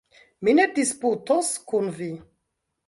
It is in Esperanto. Mi ne disputos kun vi.